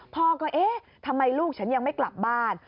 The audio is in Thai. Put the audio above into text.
พ่อก็เอ๊ะทำไมลูกฉันยังไม่กลับบ้าน